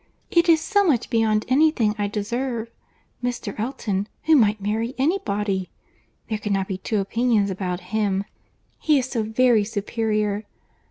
It is so much beyond any thing I deserve. Mr. Elton, who might marry any body! There cannot be two opinions about him. He is so very superior.